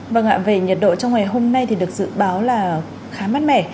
vâng ạ về nhiệt độ trong ngày hôm nay thì được dự báo là khá mát mẻ